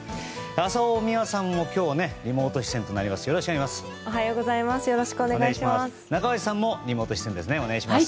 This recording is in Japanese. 浅尾美和さんも今日はリモート出演となります。